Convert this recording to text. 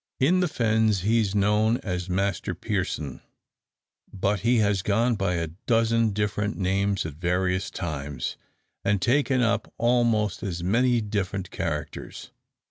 In the fens he is known as Master Pearson, but he has gone by a dozen different names at various times, and taken up almost as many different characters.